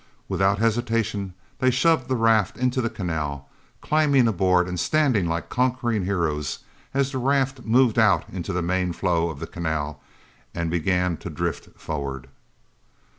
Without hesitation, they shoved the raft into the canal, climbing aboard and standing like conquering heroes, as the raft moved out into the main flow of the canal and began to drift forward.